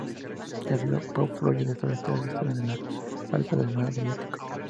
El río Po fluye de oeste a este, desde los Alpes al mar Adriático.